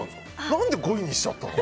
何で５位にしちゃったの？